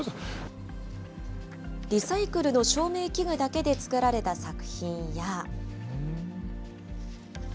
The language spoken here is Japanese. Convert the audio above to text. リサイクルの照明器具だけで作られた作品や。